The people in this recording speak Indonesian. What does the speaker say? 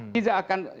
tidak akan abal abal